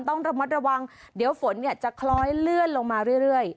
ต้องระมัดระวังเดี๋ยวฝนจะคล้อยเลื่อนลงมาเรื่อย